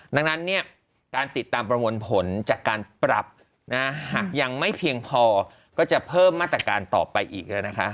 ดังนั้นเนี่ยการติดตามประมวลผลจากการปรับหากยังไม่เพียงพอก็จะเพิ่มมาตรการต่อไปอีกแล้วนะคะ